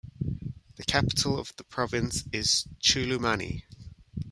The capital of the province is Chulumani.